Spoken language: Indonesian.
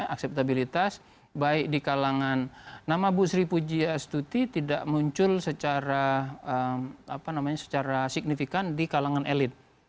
akseptabilitas baik di kalangan nama bu sri pujiastuti tidak muncul secara signifikan di kalangan elit